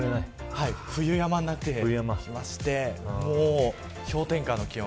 冬山になってきまして氷点下の気温。